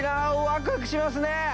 ワクワクしますね！